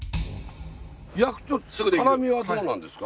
焼くと辛みはどうなんですか？